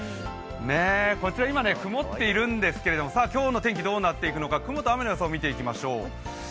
こちら、今、曇っているんですけれども、今日の天気、どうなっていくのか雲と雨の予想を見ていきましょう。